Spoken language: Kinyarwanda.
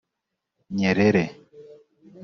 Nyerere